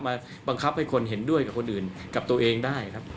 บังคับให้คนเห็นด้วยกับคนอื่นกับตัวเองได้ครับ